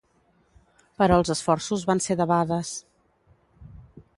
Però els esforços van ser debades.